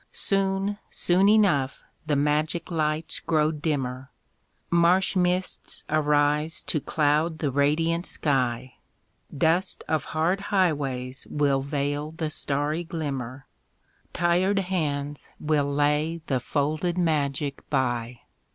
Soon, soon enough the magic lights grow dimmer, Marsh mists arise to cloud the radiant sky, Dust of hard highways will veil the starry glimmer, Tired hands will lay the folded magic by.